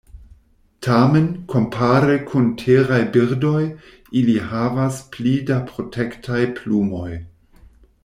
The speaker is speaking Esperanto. Tamen, kompare kun teraj birdoj, ili havas pli da protektaj plumoj.